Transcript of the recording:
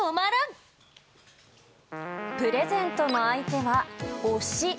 プレゼントの相手は、推し。